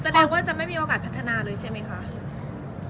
แสดงว่าจะไม่มีโอกาสพัฒนาเลยใช่ไหมคะ